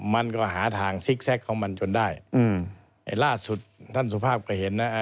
มันก็หาทางซิกแซคของมันจนได้อืมไอ้ล่าสุดท่านสุภาพก็เห็นนะ